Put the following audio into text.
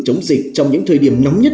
chống dịch trong những thời điểm nóng nhất